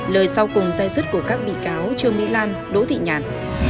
lời sau cùng dây xuất của các bị cáo trương mỹ lan đỗ thị nhàn